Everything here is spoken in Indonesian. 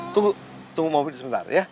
tunggu mobil sebentar ya